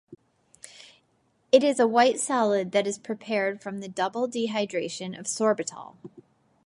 It is a white solid that is prepared from the double dehydration of sorbitol.